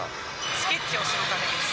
スケッチをするためです。